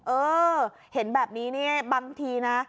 เออเห็นแบบนี้เนี่ยบางทีนะ